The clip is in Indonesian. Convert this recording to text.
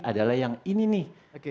adalah yang ini nih